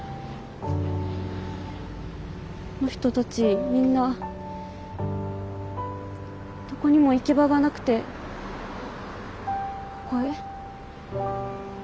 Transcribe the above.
あの人たちみんなどこにも行き場がなくてここへ？